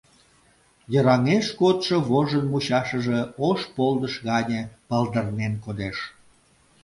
Йыраҥеш кодшо вожын мучашыже ош полдыш гане палдырнен кодеш.